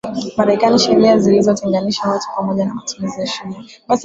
Marekani Sheria zilizotenganisha watu pamoja na matumizi ya shule